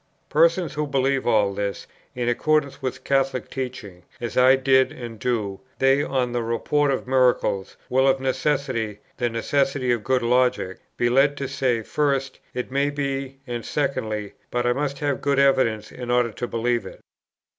Persons, who believe all this, in accordance with Catholic teaching, as I did and do, they, on the report of a miracle, will of necessity, the necessity of good logic, be led to say, first, "It may be," and secondly, "But I must have good evidence in order to believe it."